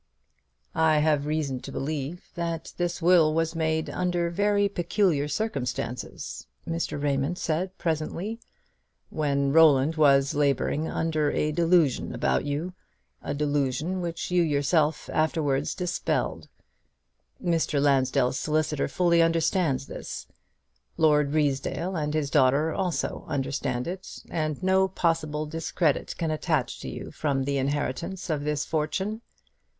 "I have reason to believe that this will was made under very peculiar circumstances," Mr. Raymond said presently; "when Roland was labouring under a delusion about you a delusion which you yourself afterwards dispelled. Mr. Lansdell's solicitor fully understands this; Lord Ruysdale and his daughter also understand it; and no possible discredit can attach to you from the inheritance of this fortune.